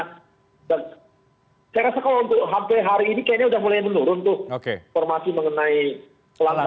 dan saya rasa kalau untuk sampai hari ini kayaknya sudah mulai menurun tuh informasi mengenai kelangkaan ya